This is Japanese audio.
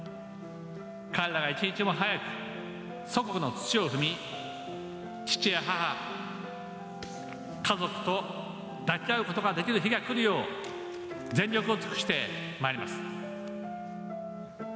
彼らが一日も早く祖国の土を踏み父や母、家族と抱き合うことができる日が来るよう全力を尽くしてまいります。